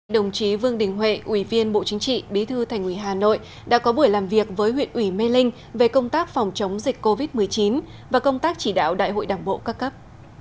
đồng chí vương đình huệ ủy viên bộ chính trị bí thư thành ủy hà nội đã có buổi làm việc với huyện ủy mê linh về công tác phòng chống dịch covid một mươi chín và công tác chỉ đạo đại hội đảng bộ các cấp